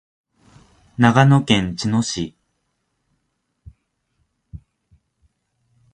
長野県茅野市